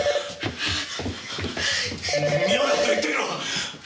妙な事言ってみろ。